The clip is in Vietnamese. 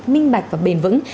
minh bạch và bền vững